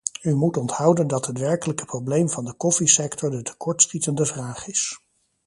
U moet onthouden dat het werkelijke probleem van de koffiesector de tekortschietende vraag is.